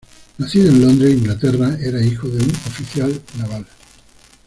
Nacido en Londres, Inglaterra, era hijo de un oficial naval.